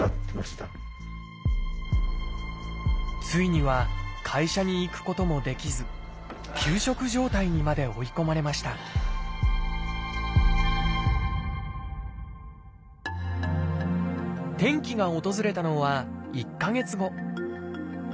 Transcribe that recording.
ついには会社に行くこともできず休職状態にまで追い込まれました転機が訪れたのは１か月後。